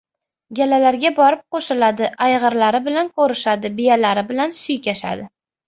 Galalarga borib qo‘shiladi. Ayg‘irlari bilan ko‘rishadi, biyalari bilan suykashadi.